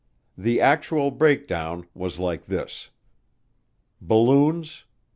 The actual breakdown was like this: Balloons.....................18.